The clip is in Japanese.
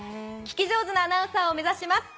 聞き上手なアナウンサーを目指します。